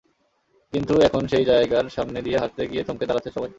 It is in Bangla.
কিন্তু এখন সেই জায়গার সামনে দিয়ে হাঁটতে গিয়ে থমকে দাঁড়াচ্ছেন সবাই।